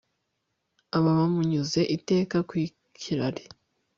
aba bamunyuze iteka ku kirari